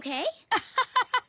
アハハハハッ！